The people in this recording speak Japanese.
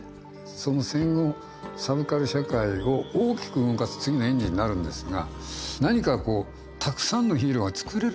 その戦後サブカル社会を大きく動かす次のエンジンになるんですが何かこうたくさんのヒーローが作れるんじゃないかと。